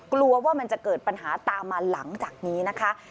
กลัวว่ามันจะเกิดปัญหาตามมาหลังจากนี้นะคะ